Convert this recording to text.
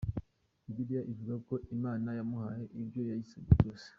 Bibiliya ivuga ko Imana yamuhaye ibyo yayisabye byose.